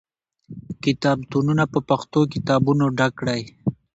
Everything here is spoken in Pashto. کتابتونونه په پښتو کتابونو ډک کړئ.